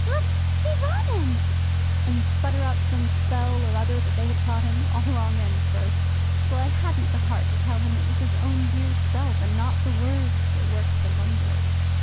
Look, see, Robin!" and sputter out some spell or other that they had taught him, all wrong end first, till I hadn't the heart to tell him it was his own dear self and not the words that worked the wonder.